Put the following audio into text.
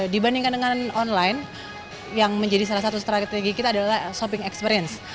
dibandingkan dengan online yang menjadi salah satu strategi kita adalah shopping experience